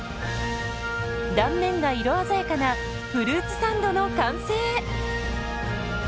断面が色鮮やかなフルーツサンドの完成。